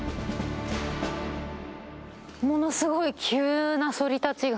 ものすごい急なそり立ちが。